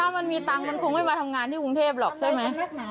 มันมีตังค์มันคงไม่มาทำงานที่กรุงเทพหรอกใช่ไหม